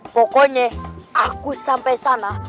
pokoknya aku sampai sana